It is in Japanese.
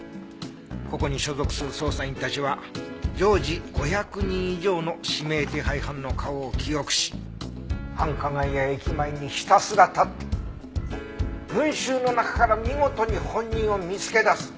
ここに所属する捜査員たちは常時５００人以上の指名手配犯の顔を記憶し繁華街や駅前にひたすら立って群衆の中から見事に本人を見つけ出す。